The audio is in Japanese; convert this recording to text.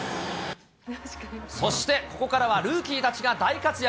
そしてここからはルーキーたちが大活躍。